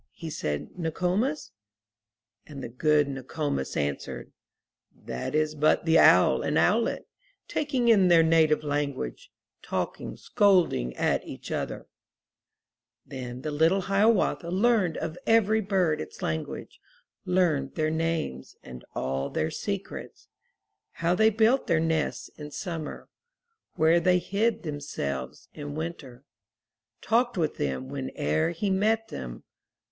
he said, "Nokomis? 432 UP ONE PAIR OF STAIRS And the good Nokomis answered: 'That is but the owl and owlet, Talking in their native language, Talking, scolding at each other/' Then the little Hiawatha Learned of every bird its language, Learned their names and all their secrets, How they built their nests in Summer, Where they hid themselves in Winter, Talked with them whene'er he met them.